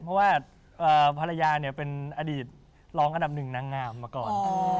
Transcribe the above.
เพราะว่าภรรยาเป็นอดีตรองอันดับหนึ่งนางงามมาก่อน